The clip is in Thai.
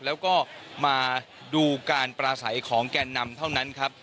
แล้วก็มาดูการปราศัยของแก่นนำเท่านั้นครับ